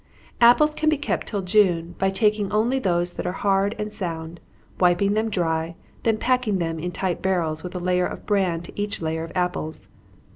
_ Apples can be kept till June, by taking only those that are hard and sound, wiping them dry, then packing them in tight barrels, with a layer of bran to each layer of apples.